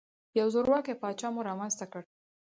یو زورواکۍ پاچا مو رامنځته کړ.